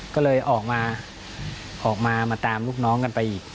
ก็เลยออกมาออกมามาตามลูกน้องกันไปอีก